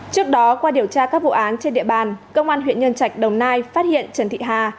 trước đó qua điều tra các vụ án trên địa bàn công an huyện nhân trạch đồng nai phát hiện trần thị hà